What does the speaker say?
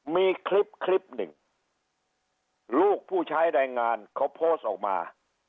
มีคลิปคลิปหนึ่งลูกผู้ใช้แรงงานเขาโพสต์ออกมา